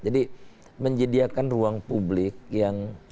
jadi menjediakan ruang publik yang